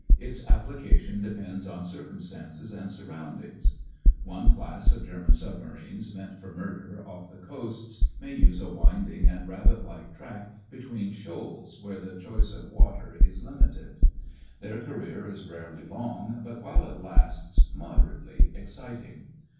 Its appli cation depends on circumstances and surroundings. One class of German submarines meant for murder off the coasts may use a winding and rabbit like track between shoals where the choice of water is limited. Their career is rarely long, but while it lasts moderately exciting.